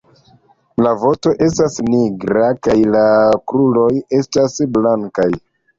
La vosto estas nigra kaj la kruroj estas blankaj.